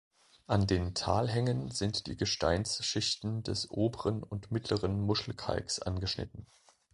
An den Talhängen sind die Gesteinsschichten des Oberen und Mittleren Muschelkalks angeschnitten.